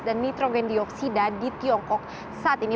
dan nitrogen dioksida di tiongkok saat ini